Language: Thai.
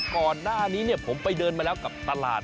ก่อนหน้านี้ผมไปเดินมาแล้วกับตลาด